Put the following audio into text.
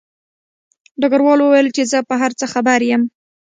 ډګروال وویل چې زه په هر څه خبر یم